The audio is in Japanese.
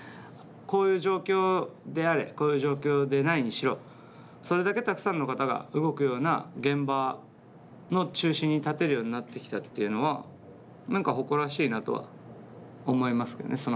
こういう状況であれこういう状況でないにしろそれだけたくさんの方が動くような現場の中心に立てるようになってきたっていうのは何か誇らしいなとは思いますけどね